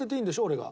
俺が。